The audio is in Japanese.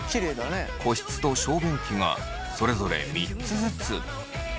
個室と小便器がそれぞれ３つずつ。